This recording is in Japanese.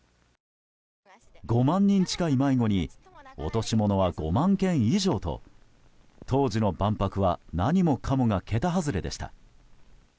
５万人近い迷子に落とし物は５万件以上と当時の万博は何もかもが桁外れでした。